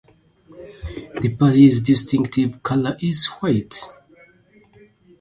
The party's distinctive color is white.